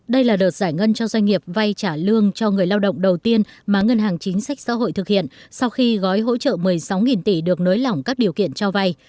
đây là đợt giải ngân cho doanh nghiệp vay trả lương cho người lao động đầu tiên mà ngân hàng chính sách xã hội thực hiện sau khi gói hỗ trợ một mươi sáu tỷ được nối lỏng các điều kiện cho vay